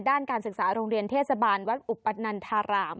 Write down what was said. การศึกษาโรงเรียนเทศบาลวัดอุปนันทาราม